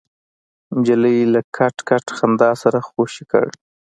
نجلۍ له کټ کټ خندا سره خوشې کړ.